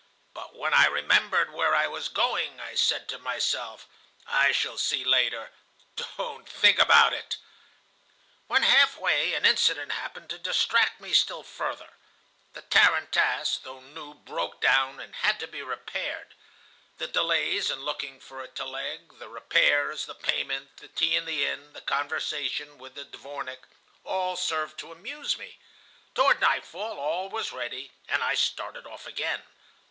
But when I remembered where I was going, I said to myself: 'I shall see later. Don't think about it.' "When half way, an incident happened to distract me still further. The tarantass, though new, broke down, and had to be repaired. The delays in looking for a télègue, the repairs, the payment, the tea in the inn, the conversation with the dvornik, all served to amuse me. Toward nightfall all was ready, and I started off again.